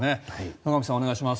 野上さん、お願いします。